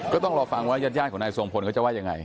ก็ต้องรอฟังว่าญาติของนายทรงพลเขาจะว่ายังไง